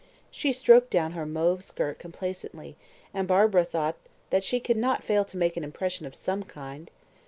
She stroked down her mauve skirt complacently, and Barbara thought that she could not fail to make an impression of some kind.